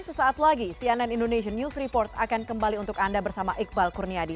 sesaat lagi cnn indonesian news report akan kembali untuk anda bersama iqbal kurniadi